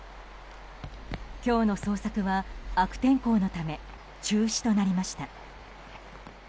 今日の捜索は悪天候のため中止となりました。